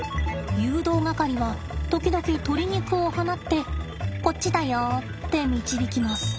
誘導係は時々鶏肉を放ってこっちだよって導きます。